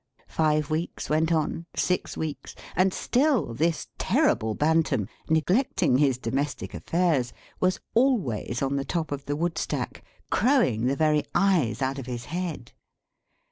Five weeks went on, six weeks, and still this terrible Bantam, neglecting his domestic affairs, was always on the top of the wood stack, crowing the very eyes out of his head.